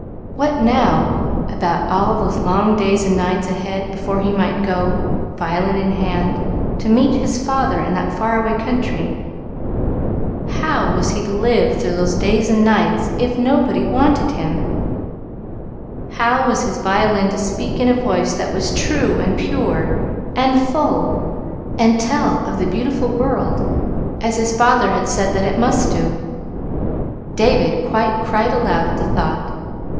What now about all those long days and nights ahead before he might go, violin in hand, to meet his father in that far away country? How was he to live those days and nights if nobody wanted him? How was his violin to speak in a voice that was true and pure and full, and tell of the beautiful world, as his father had said that it must do? David quite cried aloud at the thought.